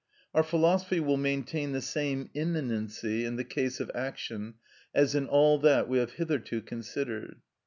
Our philosophy will maintain the same immanency in the case of action, as in all that we have hitherto considered.